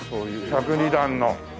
１０２段の！